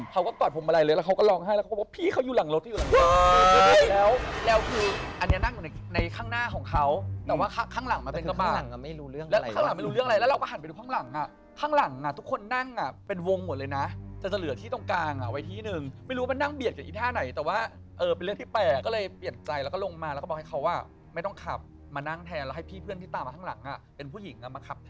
เค้าก็กอดพวงมาลัยเลยแล้วเค้าก็รองให้แล้วเค้าก็บอกว่าพี่เค้าอยู่หลังรถ